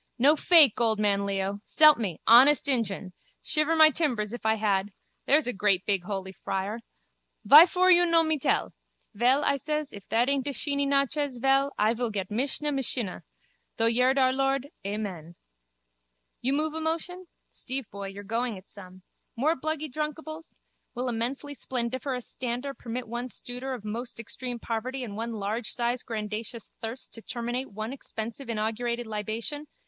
No fake, old man Leo. S'elp me, honest injun. Shiver my timbers if I had. There's a great big holy friar. Vyfor you no me tell? Vel, I ses, if that aint a sheeny nachez, vel, I vil get misha mishinnah. Through yerd our lord, Amen. You move a motion? Steve boy, you're going it some. More bluggy drunkables? Will immensely splendiferous stander permit one stooder of most extreme poverty and one largesize grandacious thirst to terminate one expensive inaugurated libation?